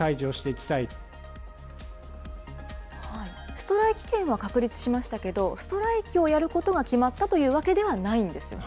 ストライキ権は確立しましたけど、ストライキをやることが決まったというわけではないんですよね。